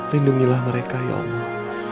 lindungilah mereka ya allah